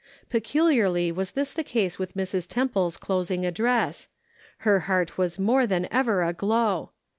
Peculiarly was this the case with Mrs. Temple's closing address; her heart was more than ever aglow.